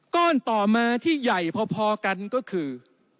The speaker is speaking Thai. ต่อมาที่ใหญ่พอกันก็คือ